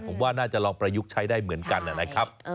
ผมว่าน่าจะลองประยุกต์ใช้ได้เหมือนกันนะครับ